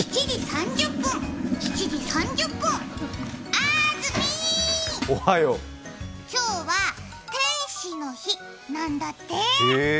あーずみー、今日は天使の日なんだって。